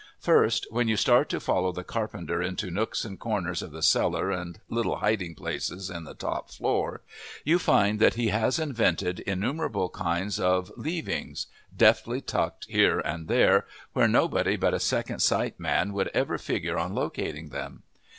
First, when you start to follow the carpenter into nooks and corners of the cellar and little hiding places in the top floor, you find that he has invented innumerable kinds of leavings, deftly tucked here and there where nobody but a second sight man would ever figure on locating them.